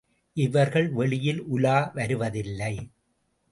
இவர்கள் வெளியில் உலா வருவதில்லை.